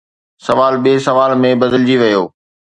سوال ٻئي سوال ۾ بدلجي ويو